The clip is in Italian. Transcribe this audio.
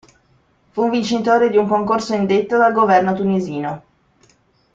Fu vincitore di un concorso indetto dal governo tunisino.